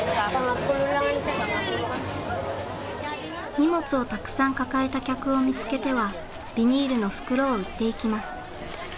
荷物をたくさん抱えた客を見つけてはビニールの袋を売っていきます。